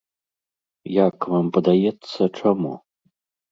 Як вам падаецца, чаму?